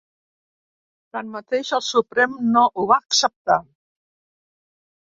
Tanmateix, el Suprem no ho va acceptar.